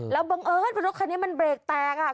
แล้วบังเอิญว่ารถคันนี้มันเบรกแตก